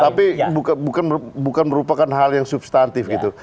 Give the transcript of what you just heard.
tapi bukan bukan bukan merupakan hal yang substantif gitu